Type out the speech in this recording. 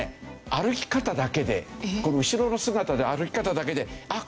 歩き方だけでこの後ろの姿で歩き方だけであっ